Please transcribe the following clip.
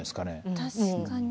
確かに。